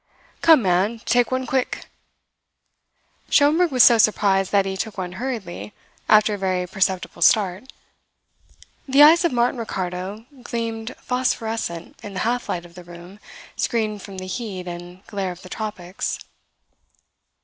"Come, man, take one quick!" Schomberg was so surprised that he took one hurriedly, after a very perceptible start. The eyes of Martin Ricardo gleamed phosphorescent in the half light of the room screened from the heat and glare of the tropics.